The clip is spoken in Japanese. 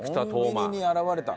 コンビニに現れた。